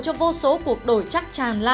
cho vô số cuộc đổi chắc